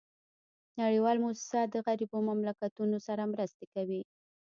نړیوال موسسات د غریبو مملکتونو سره مرستي کوي